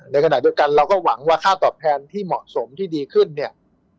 ในขณะเดียวกันเราก็หวังว่าค่าตอบแทนที่เหมาะสมที่ดีขึ้นเนี่ย